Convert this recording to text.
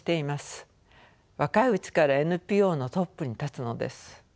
若いうちからＮＰＯのトップに立つのです。